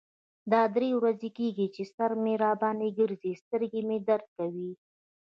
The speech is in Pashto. دا درې ورځې کیږی چې سر مې را باندې ګرځی. سترګې مې درد کوی.